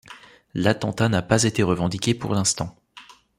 L'attentat n'a pas été revendiqué pour l'instant.